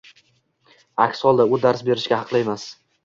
Aks holda, u dars berishga haqli emas